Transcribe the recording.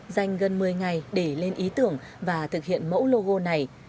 dành gần một mươi ngày để lên ý tưởng và thực hiện mẫu logo này